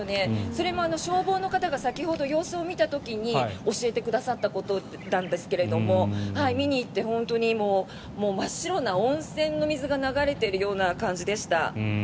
それも消防の方が先ほど様子を見た時に教えてくださったことなんですが見に行って、本当に真っ白な温泉の水が流れているような感じでした。